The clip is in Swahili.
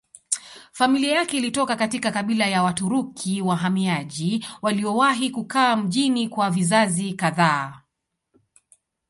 Familia yake ilitoka katika kabila ya Waturuki wahamiaji waliowahi kukaa mjini kwa vizazi kadhaa.